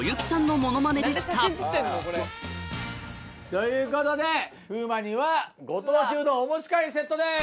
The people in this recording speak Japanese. ということで風磨にはご当地うどんお持ち帰りセットです。